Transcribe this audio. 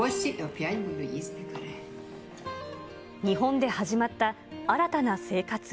日本で始まった新たな生活。